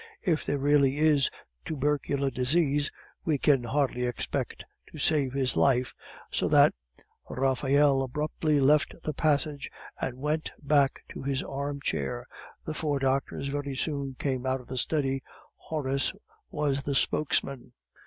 If there really is tubercular disease, we can hardly expect to save his life; so that " Raphael abruptly left the passage, and went back to his armchair. The four doctors very soon came out of the study; Horace was the spokesman.